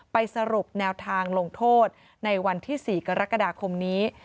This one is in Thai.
ไปสรุปแนวทางลงโทษในวันที่๔กรกฎาคมนี้